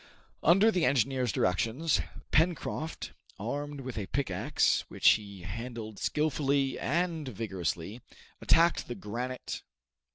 Under the engineer's directions, Pencroft, armed with a pickaxe, which he handled skillfully and vigorously, attacked the granite.